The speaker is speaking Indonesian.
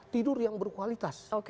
tidur yang berkualitas